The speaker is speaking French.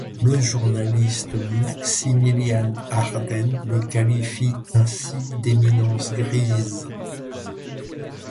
Le journaliste Maximilian Harden le qualifie ainsi d'éminence grise.